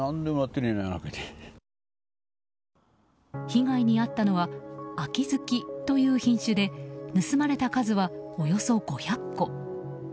被害に遭ったのは秋月という品種で盗まれた数は、およそ５００個。